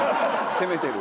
攻めてる。